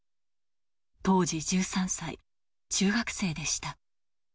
当時１３歳、中学生でした。